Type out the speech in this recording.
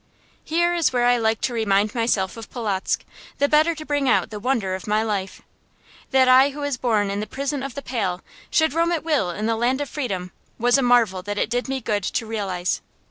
Here is where I liked to remind myself of Polotzk, the better to bring out the wonder of my life. That I who was born in the prison of the Pale should roam at will in the land of freedom was a marvel that it did me good to realize.